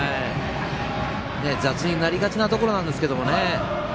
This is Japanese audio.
雑になりがちなとこなんですけどね。